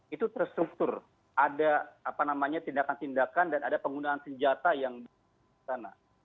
itu terstruktur ada apa namanya tindakan tindakan dan ada penggunaan senjata yang disana